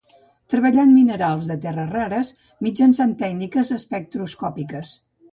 Treballà en minerals de terres rares, mitjançant tècniques espectroscòpiques.